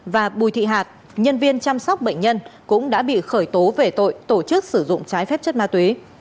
và bùi thị hạt nhân viên chăm sóc bệnh nhân cũng đã bị khởi tố về tội tổ chức sử dụng trái phép chất ma túy